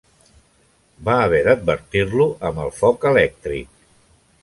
Va haver d'advertir-lo amb el foc elèctric